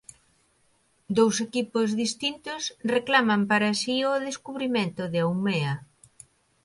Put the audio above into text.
Dous equipos distintos reclaman para si o descubrimento de Haumea.